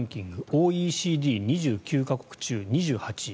ＯＥＣＤ２９か国中２８位。